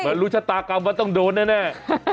รู้ชะตากรรมว่าต้องโดนแน่